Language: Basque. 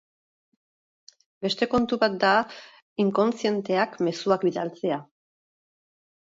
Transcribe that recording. Beste kontu bat da inkontzienteak mezuak bidaltzea.